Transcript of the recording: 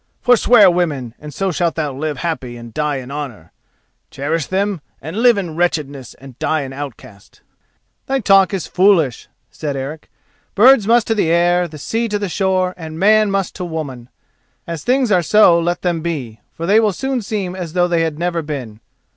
Forswear women and so shalt thou live happy and die in honour—cherish them and live in wretchedness and die an outcast." "Thy talk is foolish," said Eric. "Birds must to the air, the sea to the shore, and man must to woman. As things are so let them be, for they will soon seem as though they had never been.